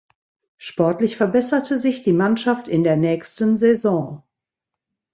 Sportlich verbesserte sich die Mannschaft in der nächsten Saison.